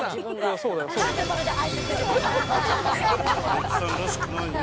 「呂布さんらしくないね」